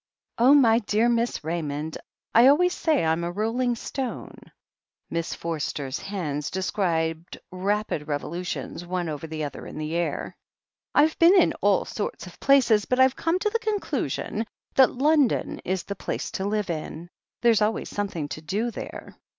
"Oh, my dear Miss Raymond ! I always say I'm a rolling stone!" Miss Forster's hands described rapid revolutions one over the other in the air. "I've been in all sorts of places, but I've come to the THE HEEL OF ACHILLES 117 conclusion that London is the place to live in. There's always something to do there.